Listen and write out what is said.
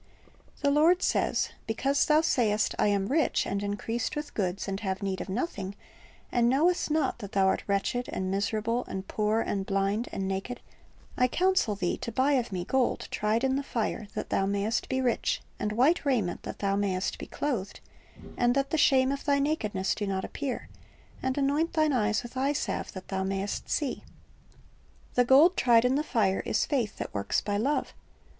The Lord says, "Because thou sayest, I am rich, and increased with goods, and have need of nothing; and knowest not that thou art wretched, and miserable, and poor, and blind, and naked: I counsel thee to buy of Me gold tried in the fire, that thou mayest be rich; and white raiment, that thou mayest be clothed, and that the shame of thy nakedness do not appear; and anoint thine eyes with eye salve, that thou mayest see."* The gold tried in the fire is faith that works by love.